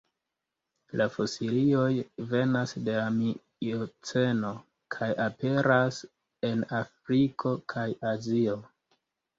La fosilioj venas de la mioceno kaj aperas en Afriko kaj Azio.